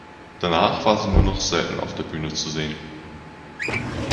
Danach war sie nur noch selten auf der Bühne zu sehen.